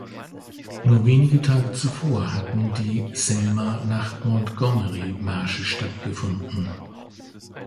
Nur wenige Tage zuvor hatten die Selma-nach-Montgomery-Märsche stattgefunden.